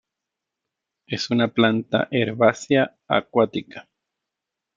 Es una planta herbácea acuática.